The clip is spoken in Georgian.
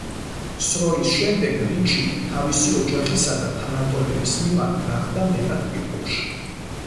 სროლის შემდეგ რიჩი თავისი ოჯახისა და თანატოლების მიმართ გახდა მეტად პირქუში.